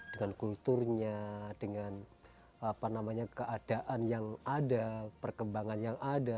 dengan kulturnya dengan keadaan yang ada perkembangan yang ada